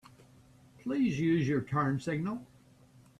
Please use your turn signal.